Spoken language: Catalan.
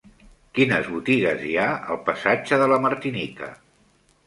Quines botigues hi ha al passatge de la Martinica?